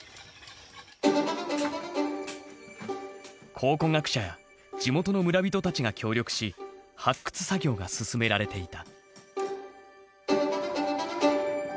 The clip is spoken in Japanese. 考古学者や地元の村人たちが協力し発掘作業が進められていた。